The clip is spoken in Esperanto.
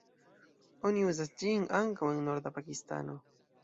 Oni uzas ĝin ankaŭ en norda Pakistano.